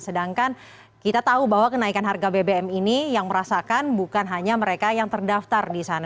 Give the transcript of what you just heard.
sedangkan kita tahu bahwa kenaikan harga bbm ini yang merasakan bukan hanya mereka yang terdaftar di sana